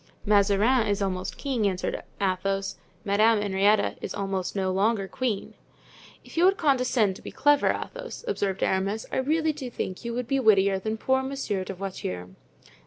"Mazarin is almost king," answered Athos; "Madame Henrietta is almost no longer queen." "If you would condescend to be clever, Athos," observed Aramis, "I really do think you would be wittier than poor Monsieur de Voiture."